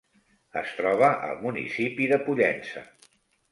Es troba al municipi de Pollença.